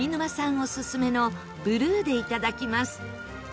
オススメのブルーでいただきます。